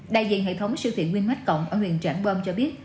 đại diện hệ thống sưu thiện winmate cộng ở huyện trảng bom cho biết